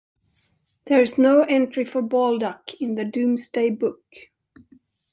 There is no entry for Baldock in the Domesday Book.